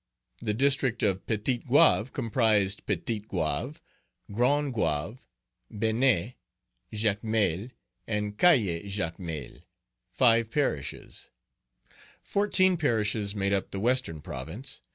The district of Petit Goave comprised Petit Goave, Grand Goave, Baynet, Jacmel, and Cayes Jacmel, five parishes. Fourteen parishes made up the western province.